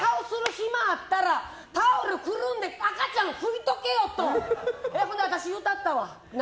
暇あったらタオルくるんで赤ちゃん拭いとけよ！とほんで、私言うたったわ。